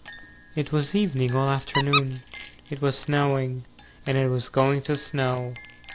XIII It was evening all afternoon. It was snowing And it was going to snow.